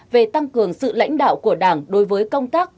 về tăng cường sự lãnh đạo của đảng đối với công tác